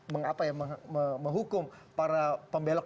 mengapa ya menghukum para pembelok